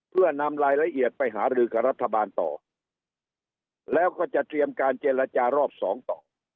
เพื่อนำรายละเอียดไปหารือกับรัฐบาลต่อแล้วก็จะเตรียมการเจรจารอบสองต่อ